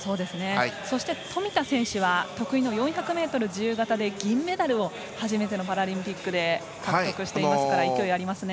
そして富田選手は得意の４００ｍ自由形で銀メダルを初めてのパラリンピックで獲得していますから勢いがありますね。